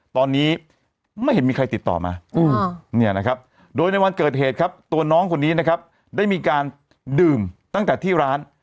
ตอนนี้ไม่เห็นมีใครติดต่อมาเนี่ยนะครับโดยในวันเกิดเหตุครับตัวน้องคนนี้นะครับได้มีการดื่มตั้งแต่ที่ร้าน